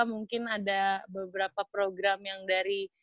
mungkin ada beberapa program yang dari